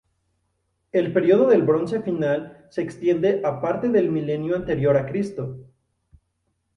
El periodo del Bronce final se extiende a parte del milenio anterior a Cristo.